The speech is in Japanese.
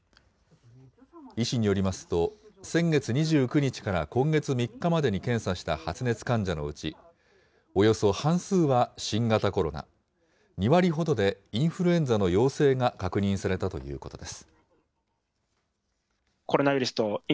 医師によりますと先月２９日から今月３日までに検査した発熱患者のうち、およそ半数は新型コロナ、２割ほどでインフルエンザの陽性が確認されたということです。